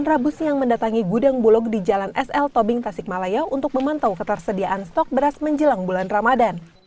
rabusiang mendatangi gudang bulog di jalan sl tobing tasik malaya untuk memantau ketersediaan stok beras menjelang bulan ramadan